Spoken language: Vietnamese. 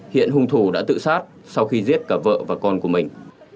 hiện hung thủ đã tự sát sau khi giết cả vợ và con của mình